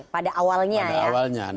pada awalnya ya